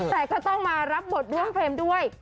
แต่ก็ต้องมารับบทร่วมเฟรมด้วย